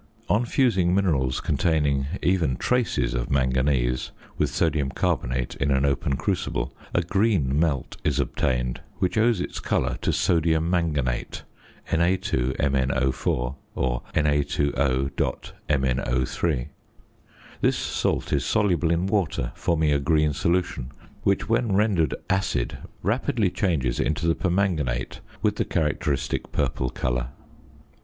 On fusing minerals containing (even traces of) manganese with sodium carbonate in an open crucible, a green "melt" is obtained which owes its colour to sodium manganate (Na_MnO_ or Na_O.MnO_). This salt is soluble in water, forming a green solution; which, when rendered acid, rapidly changes into the permanganate with the characteristic purple colour.